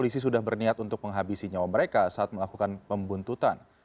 polisi sudah berniat untuk menghabisi nyawa mereka saat melakukan pembuntutan